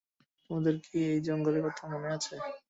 তোমাদের কি এই জঙ্গলের কথা মনে আছে?